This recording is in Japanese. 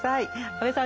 安部さん